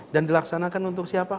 dan dilaksanakan untuk siapa